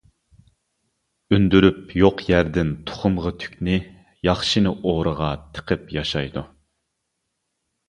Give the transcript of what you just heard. ئۈندۈرۈپ يوق يەردىن تۇخۇمغا تۈكنى، ياخشىنى ئورىغا تىقىپ ياشايدۇ.